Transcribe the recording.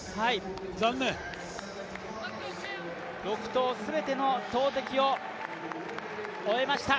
６投全ての投てきを終えました。